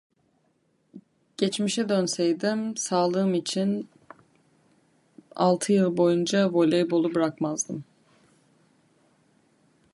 Geçmişe dönseydim, sağlığım için, altı yıl boyunca voleybolu bırakmazdım.